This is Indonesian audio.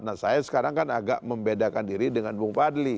nah saya sekarang kan agak membedakan diri dengan bung fadli